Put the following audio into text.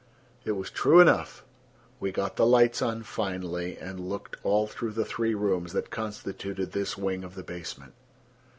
It was true enough. We got the lights on finally and looked all through the three rooms that constituted this wing of the basement.